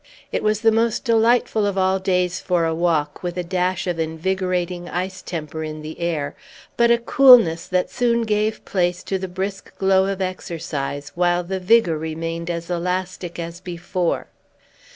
It was the most delightful of all days for a walk, with a dash of invigorating ice temper in the air, but a coolness that soon gave place to the brisk glow of exercise, while the vigor remained as elastic as before.